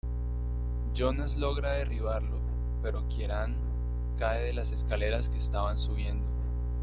Jonas logra derribarlo, pero Kieran cae de las escaleras que estaban subiendo.